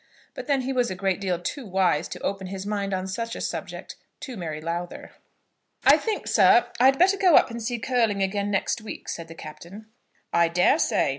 But then he was a great deal too wise to open his mind on such a subject to Mary Lowther. "I think, sir, I'd better go up and see Curling again next week," said the Captain. "I dare say.